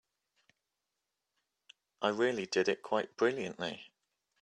I really did it quite brilliantly.